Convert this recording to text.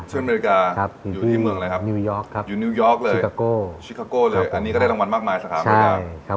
ที่อเมริกาอยู่ที่เมืองอะไรครับอยู่นิวยอร์กเลยชิคาโก้อันนี้ก็ได้รางวัลมากมายสาขาหมากมาย